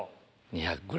２００ｇ。